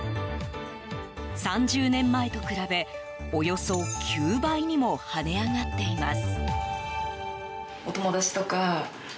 ３０年前と比べ、およそ９倍にも跳ね上がっています。